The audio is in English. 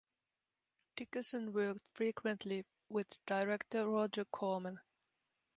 Dickerson worked frequently with director Roger Corman.